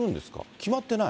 決まってない？